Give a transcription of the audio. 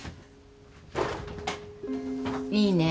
いいね。